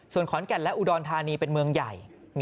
ส่วนขอนแก่นและอุดรธานีเป็นเมืองใหญ่